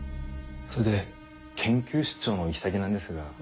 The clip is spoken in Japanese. それで研究出張の行き先なんですが。